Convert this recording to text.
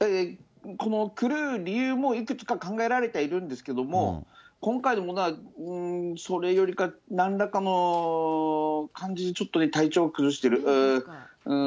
この狂う理由もいくつか考えられてはいるんですけれども、今回のものはそれよりか、なんらかの感じで、ちょっと体調を崩している。